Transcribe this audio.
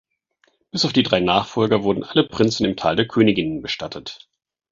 Bis auf die drei Nachfolger wurden alle Prinzen im Tal der Königinnen bestattet.